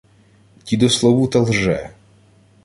— Дідо Славута лже.